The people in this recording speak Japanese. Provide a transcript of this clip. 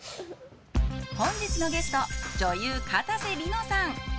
本日のゲスト女優・かたせ梨乃さん。